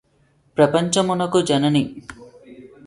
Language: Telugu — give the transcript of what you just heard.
ప్రపంచమునకు జనని